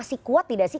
masih kuat tidak sih